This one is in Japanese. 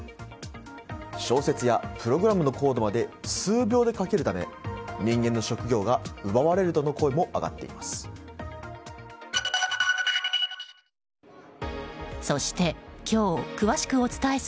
小説やプログラムのコードまで数秒で書けるため人間の職業が奪われるとの声も上がっています。